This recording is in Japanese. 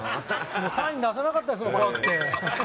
サイン出せなかったですもん怖くて。